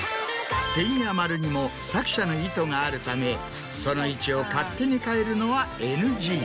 点や丸にも作者の意図があるためその位置を勝手に変えるのはＮＧ。